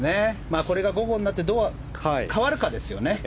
これが午後になってどう変わるかですよね。